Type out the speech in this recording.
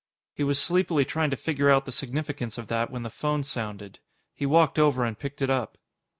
He was sleepily trying to figure out the significance of that when the phone sounded. He walked over and picked it up.